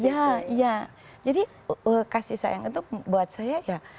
ya iya jadi kasih sayang itu buat saya ya